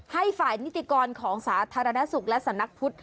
ให้ฝ่ายนิติกรของสาธารณสุขและสำนักพุทธ